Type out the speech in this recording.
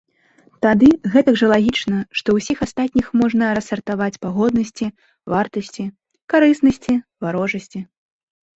Тады гэтак жа лагічна, што ўсіх астатніх можна рассартаваць па годнасці, вартасці, карыснасці, варожасці.